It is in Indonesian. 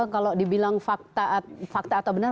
kalau dibilang fakta atau benar